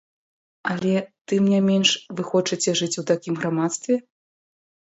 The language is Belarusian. Але, тым не менш, вы хочаце жыць у такім грамадстве?